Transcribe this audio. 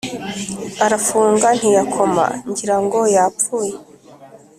Arafunga ntiyakoma ngirango yapfuye